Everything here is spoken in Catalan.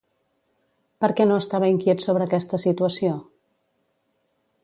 Per què no estava inquiet sobre aquesta situació?